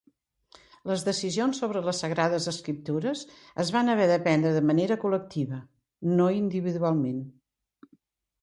Les decisions sobre les Sagrades Escriptures es van haver de prendre de manera col·lectiva, no individualment.